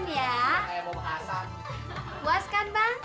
jangan kaya temetan